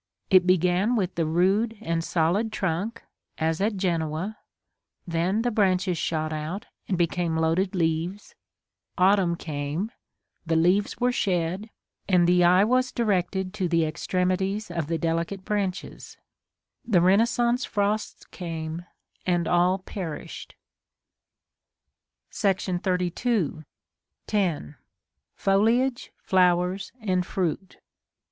It began with the rude and solid trunk, as at Genoa; then the branches shot out, and became loaded leaves; autumn came, the leaves were shed, and the eye was directed to the extremities of the delicate branches; the Renaissance frosts came, and all perished. § XXXII. 10. Foliage, Flowers, and Fruit.